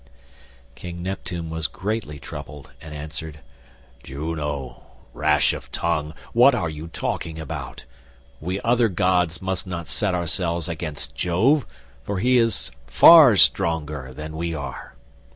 King Neptune was greatly troubled and answered, "Juno, rash of tongue, what are you talking about? We other gods must not set ourselves against Jove, for he is far stronger than we are."